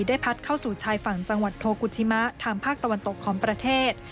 พัดเข้าสู่ชายฝั่งจังหวัดโทกุชิมะทางภาคตะวันตกของประเทศ